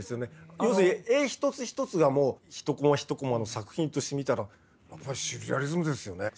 要するに絵一つ一つがもう一コマ一コマの作品として見たらシュールレアリスムですよね。